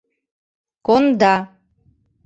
Конда.